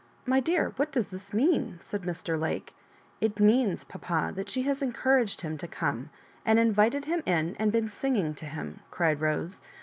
*'My dear, what does this mean?" said Mr. Lake. '^It means, papa, that she has encouraged him to come, and invited him in, and been singing to him," cried Bose.